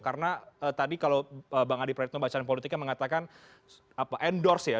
karena tadi kalau bang adi pradipno bacaran politiknya mengatakan endorse ya